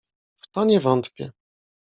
"W to nie wątpię."